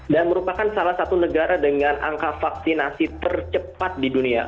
dan merupakan salah satu negara dengan angka vaksinasi tercepat di dunia